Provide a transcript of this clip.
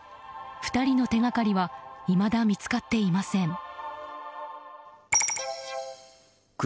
２人の手掛かりはいまだ見つかっていません。